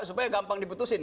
supaya gampang diputusin